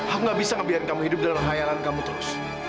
aku gak bisa ngebiarin kamu hidup dalam hayaran kamu terus